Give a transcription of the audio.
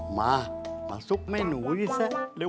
มาสุกไม่นุ้ยซะเร็ว